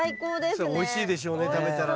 それおいしいでしょうね食べたらね。